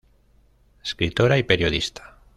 Escritora y periodista.